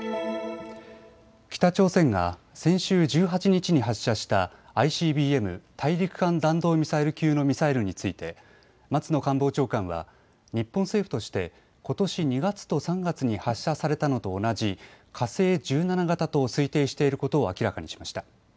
北朝鮮が先週１８日に発射したＩＣＢＭ・大陸間弾道ミサイル級のミサイルについて松野官房長官は日本政府としてことし２月と３月に発射されたのと同じ火星１７型と推定していることを明らかにしました。